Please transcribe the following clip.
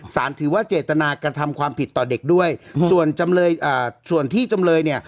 สารถือว่าเจตนาการทำความผิดต่อเด็กด้วยส่วนที่จำเลยเนี่ย